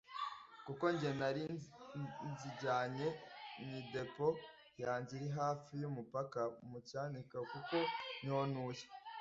Kuko njye nari nzijyanye mu idepo yanjye iri hafi y’umupaka mu Cyanika kuko niho ntuye